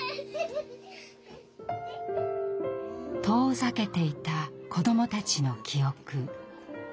遠ざけていた子どもたちの記憶。